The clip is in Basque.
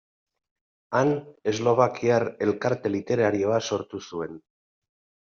Han Eslovakiar Elkarte Literarioa sortu zuen.